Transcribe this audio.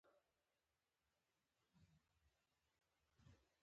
د کارونو یا امورو برابرول او په مختلفو ډګرونو کی